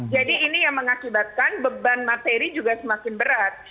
jadi ini yang mengakibatkan beban materi juga semakin berat